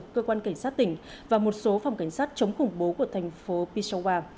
cơ quan cảnh sát tỉnh và một số phòng cảnh sát chống khủng bố của thành phố pisawa